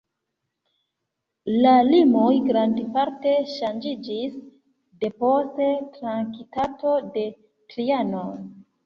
La limoj grandparte ŝanĝiĝis depost Traktato de Trianon.